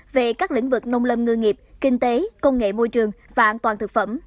về các lĩnh vực nông lâm ngư nghiệp kinh tế công nghệ môi trường và an toàn thực phẩm